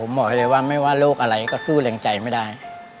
บอกให้เลยว่าไม่ว่าโรคอะไรก็สู้แรงใจไม่ได้